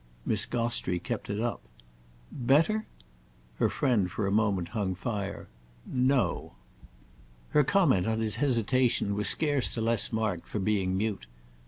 Miss Gostrey kept it up. "Better?" Her friend for a moment hung fire. "No." Her comment on his hesitation was scarce the less marked for being mute.